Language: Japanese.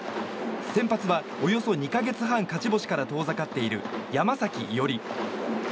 先発はおよそ２か月半勝ち星から遠ざかっている山崎伊織。